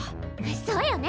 そうよね！